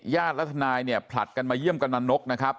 และทนายเนี่ยผลัดกันมาเยี่ยมกำลังนกนะครับ